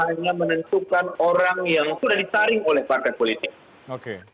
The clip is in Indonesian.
hanya menentukan orang yang sudah disaring oleh partai politik